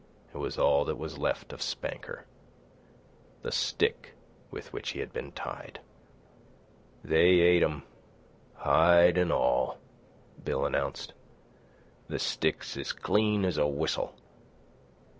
It was all that was left of Spanker—the stick with which he had been tied. "They ate 'm hide an' all," Bill announced. "The stick's as clean as a whistle.